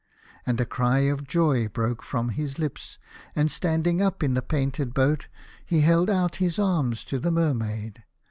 And a cry of joy broke from his lips, and standing up in the painted boat, he held out his arms to the Mer maid.